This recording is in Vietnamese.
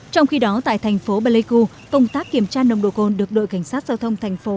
trong khi đó tại thành phố bà lê cưu công tác kiểm tra nông độ côn được đội cảnh sát giao thông thành phố